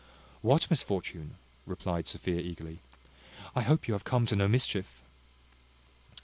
"What misfortune?" replied Sophia eagerly; "I hope you have come to no mischief?"